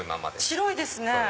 白いですね。